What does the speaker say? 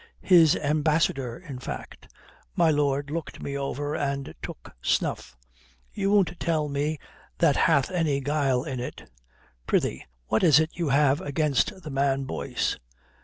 "'His ambassador in fact,' My lord looked me over and took snuff. 'You won't tell me that hath any guile in it. Prithee, what is it you have against the man Boyce?'